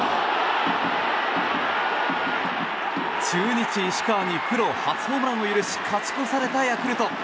中日、石川にプロ初ホームランを許し勝ち越されたヤクルト。